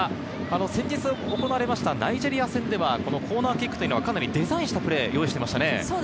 先日行われたナイジェリア戦では、コーナーキックはかなりデザインしたプレーを用意していましたね。